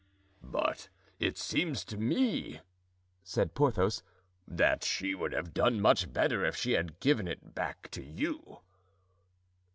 "But it seems to me," said Porthos, "that she would have done much better if she had given it back to you."